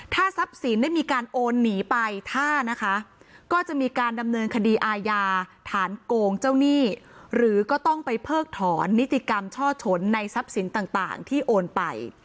ถ้าทรัพย์สินได้มีการโอนหนีไปถ้านะคะก็จะมีการดำเนินคดีอาญาฐานโกงเจ้าหนี้หรือก็ต้องไปเพิกถอนนิติกรรมช่อฉนในทรัพย์สินต่างที่โอนไป